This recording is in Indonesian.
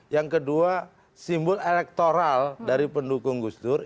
yang kedua simbol elektoral dari pendukung gus dur